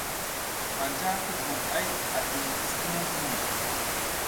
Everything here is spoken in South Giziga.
Anja ki jumom ay ati sukumuŋ kumoy.